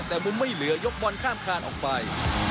แต่มุมไม่เหลือยกบอลข้ามคานออกไป